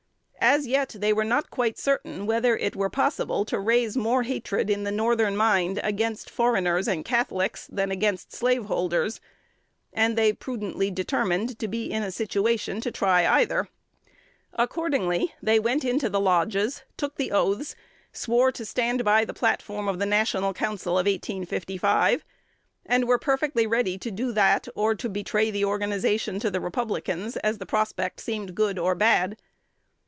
As yet, they were not quite certain whether it were possible to raise more hatred in the Northern mind against foreigners and Catholics than against slaveholders; and they prudently determined to be in a situation to try either. Accordingly, they went into the lodges, took the oaths, swore to stand by the platform of the "National Council" of 1855, and were perfectly ready to do that, or to betray the organization to the Republicans, as the prospect seemed good or bad.